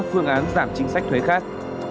các phương án giảm chính sách thuế khác